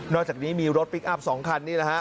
นอกจากนี้มีรถพลิกอัพสองคันนี้